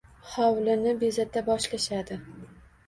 Hovlini bezata boshlashadi..